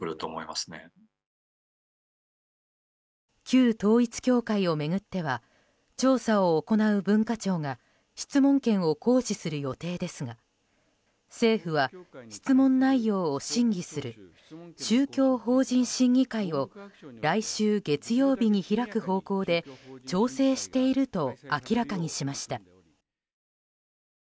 旧統一教会を巡っては調査を行う文化庁が質問権を行使する予定ですが政府は質問内容を審議する宗教法人審議会を来週月曜日に開く方向で調整していると明らかにしました。